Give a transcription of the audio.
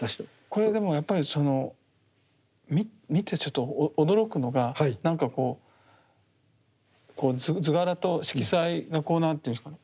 これでもやっぱりその見てちょっと驚くのがなんかこう図柄と色彩がこう何ていうんですかね。